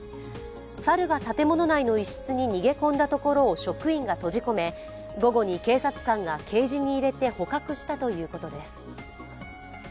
猿が建物内の一室に逃げ込んだところを職員が閉じ込め午後に警察官がケージに入れて捕獲したということです。